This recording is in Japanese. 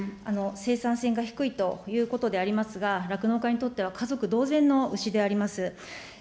生産性が低いということでありますが、酪農家にとっては、家族同然の牛であります。